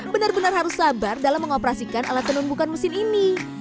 benar benar harus sabar dalam mengoperasikan alat tenun bukan mesin ini